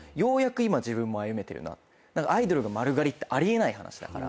アイドルが丸刈りってあり得ない話だから。